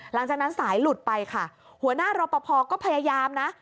หลังจากนั้นสายหลุดไปค่ะหัวหน้ารอปภก็พยายามนะ